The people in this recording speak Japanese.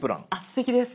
すてきです。